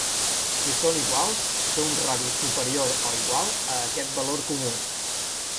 Si són iguals, té un radi superior o igual a aquest valor comú.